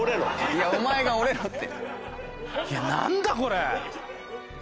いやお前が折れろって。